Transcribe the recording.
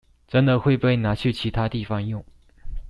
真的會被拿去其他地方用